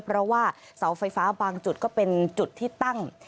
เพราะว่าเสาไฟฟ้าบางจุดก็เป็นจุดที่ตั้ง